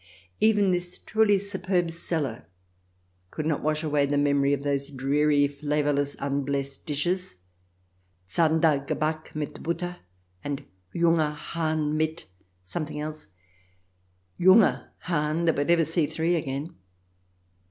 Even this truly superb cellar cannot wash away the memory of those dreary, flavourless, unblessed dishes. " Zander gebak mit Butter," and " Junger Hahn mit "— something else, Junger Hahn that would never see three again.